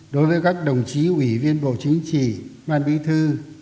đối với các đồng chí ủy viên bộ chính trị ban bí thư